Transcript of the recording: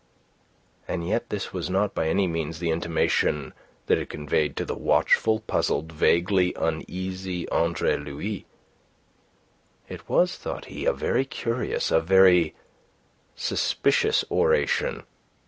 And yet this was not by any means the intimation that it conveyed to the watchful, puzzled, vaguely uneasy Andre Louis. It was, thought he, a very curious, a very suspicious oration.